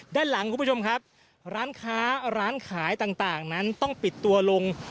ด้านหลังคุณผู้ชมครับร้านค้าร้านขายต่างนั้นต้องปิดตัวลง